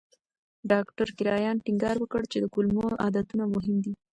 ډاکټر کرایان ټینګار وکړ چې د کولمو عادتونه مهم دي.